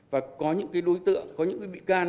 và có những cái đối tượng có những cái bị can